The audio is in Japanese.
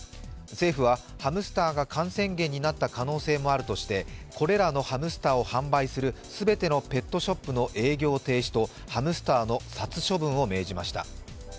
政府はハムスターが感染源になった可能性もあるとしてこれらのハムスターを販売する全てのペットショップの営業停止とハムスターの殺処分を命じました。